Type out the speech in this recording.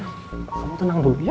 kamu tenang dulu ya